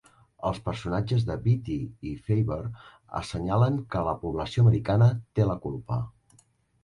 Els personatges de Beatty i Faber assenyalen que la població americana té la culpa.